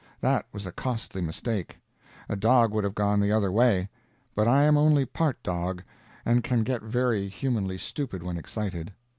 That was a costly mistake; a dog would have gone the other way. But I am only part dog, and can get very humanly stupid when excited.